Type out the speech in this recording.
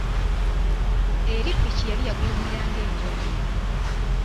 Eri ppiki yali yagulumira ng’enjovu.